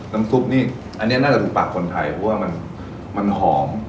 ซุปนี่อันนี้น่าจะถึงปากคนไทยเพราะว่ามันหอม